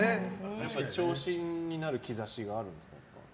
長身になる兆しがあるんですか？